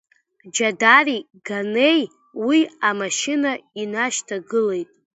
Џьадари Ганеи уи амашьына инашьҭагылеит.